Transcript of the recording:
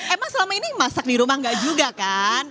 emang selama ini masak di rumah gak juga kan